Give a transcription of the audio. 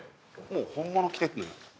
もう本物来てるのよ。